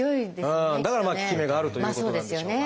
だから効き目があるということなんでしょうが。